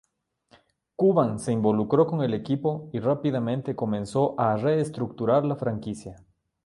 Cuban se involucró con el equipo y rápidamente comenzó a reestructurar la franquicia.